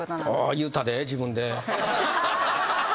言うたで自分で。